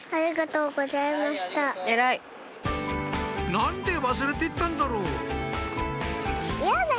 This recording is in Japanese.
「何で忘れてったんだろう？」